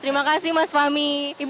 terima kasih mas fahmi